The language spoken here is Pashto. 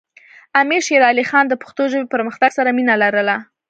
امیر شیر علی خان د پښتو ژبې پرمختګ سره مینه لرله.